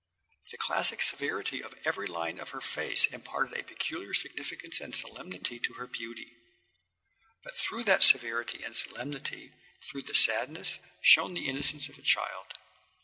The classic severity of every line of her face imparted a peculiar significance and solemnity to her beauty. But through that severity and solemnity, through the sadness, shone the innocence of a child.